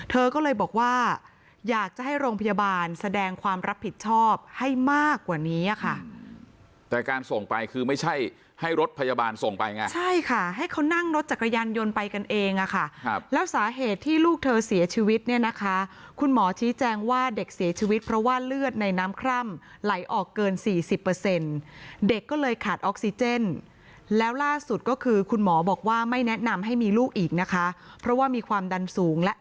เธอก็เลยบอกว่าอยากจะให้โรงพยาบาลแสดงความรับผิดชอบให้มากกว่านี้ค่ะแต่การส่งไปคือไม่ใช่ให้รถพยาบาลส่งไปไงใช่ค่ะให้เขานั่งรถจักรยานยนต์ไปกันเองอ่ะค่ะแล้วสาเหตุที่ลูกเธอเสียชีวิตเนี่ยนะคะคุณหมอชี้แจงว่าเด็กเสียชีวิตเพราะว่าเลือดในน้ำคร่ำไหลออกเกินสี่สิบเปอร์เซ็นต์เด็กก็เลยขา